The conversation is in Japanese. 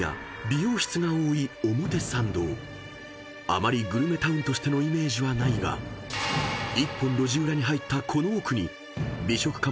［あまりグルメタウンとしてのイメージはないが一本路地裏に入ったこの奥に美食家